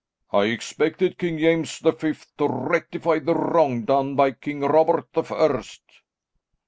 "I expected King James the Fifth to rectify the wrong done by King Robert the First."